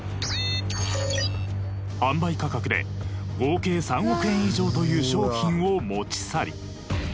販売価格で合計３億円以上という商品を持ち去り。